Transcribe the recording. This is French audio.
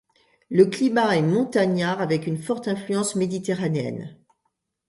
Le climat est montagnard avec une forte influence méditerranéenne.